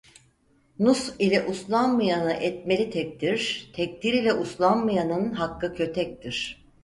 Nush ile uslanmayanı etmeli tekdir, tekdir ile uslanmayanın hakkı kötektir.